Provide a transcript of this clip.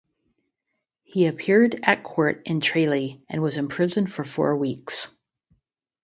He appeared at court in Tralee and was imprisoned for four weeks.